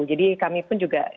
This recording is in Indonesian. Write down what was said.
jadi kami pun juga ajak diskusi